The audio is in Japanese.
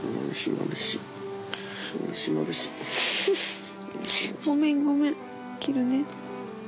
ごめんごめん切るね。